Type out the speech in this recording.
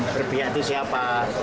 berpihak itu siapa